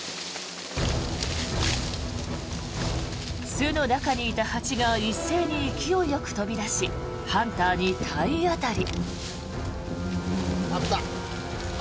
巣の中にいた蜂が一斉に勢いよく飛び出しハンターに体当たり。